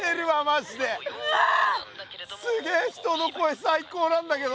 すげえ人の声さいこうなんだけど！